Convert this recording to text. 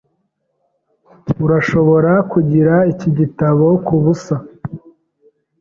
Urashobora kugira iki gitabo kubusa.